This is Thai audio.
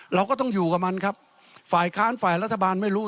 เราก็ต้องอยู่กับมันครับฝ่ายค้านฝ่ายรัฐบาลไม่รู้